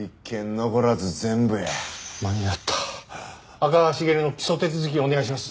赤川茂の起訴手続きをお願いします。